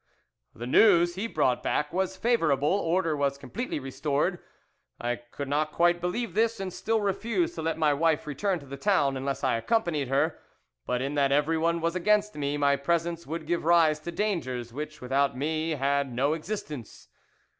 "The news he brought back was favourable; order was completely restored. I could not quite believe this, and still refused to let my wife return to the town unless I accompanied her. But in that everyone was against me: my presence would give rise to dangers which without me had no existence.